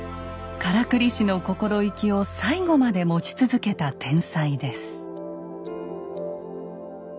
からくり師の心意気を最後まで持ち続けた天才です。